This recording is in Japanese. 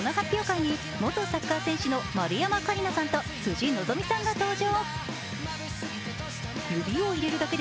元サッカー選手の丸山桂里奈さんと辻希美さんが登場。